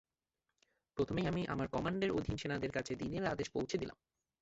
প্রথমেই আমি আমার কমান্ডের অধীন সেনাদের কাছে দিনের আদেশ পৌঁছে দিলাম।